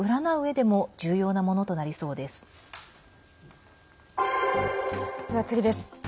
では、次です。